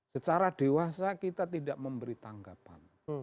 secara dewasa kita tidak memberi tanggapan